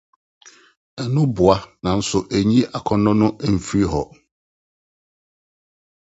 Ɛno boa, nanso enyi akɔnnɔ no mfi hɔ.